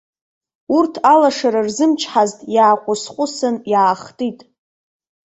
Урҭ алашара рзымчҳазт иааҟәысҟәысын иаахтит.